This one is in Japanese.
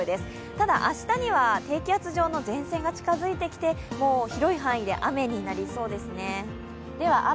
ただ明日には低気圧の前線が近づいてきてもう広い範囲で雨になりそうですね。